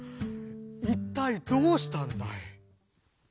いったいどうしたんだい？」。